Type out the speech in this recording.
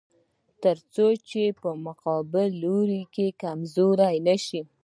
تر څو چې مقابل لوری کمزوری نشي.